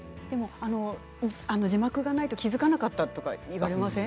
字幕がないと気付かなかったと言われません？